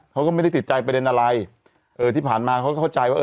เขาก็ไม่ได้ติดใจประเด็นอะไรเออที่ผ่านมาเขาก็เข้าใจว่าเออ